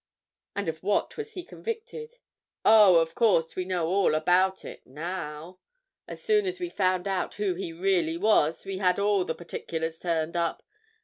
"And of what was he convicted?" "Oh, of course, we know all about it—now. As soon as we found out who he really was, we had all the particulars turned up.